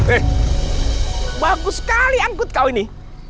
eh bagus sekali angkut kau ini